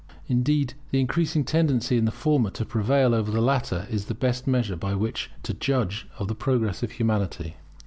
Indeed the increasing tendency in the former to prevail over the latter is the best measure by which to judge of the progress of Humanity.